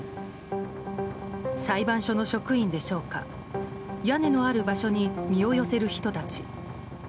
裁判所の職員でしょうか屋根のある場所に身を寄せる人たち。